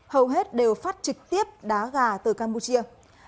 hầu hết đều phát trực tiếp đá gà từ campuchia